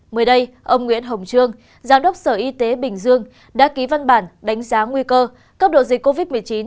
mới đây ông nguyễn hồng trương giám đốc sở y tế bình dương đã ký văn bản đánh giá nguy cơ cấp độ dịch covid một mươi chín